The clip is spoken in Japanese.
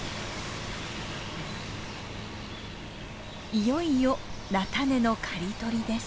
いよいよ菜種の刈り取りです。